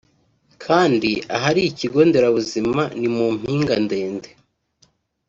kandi ahari ikigo nderabuzima ni mu mpinga ndende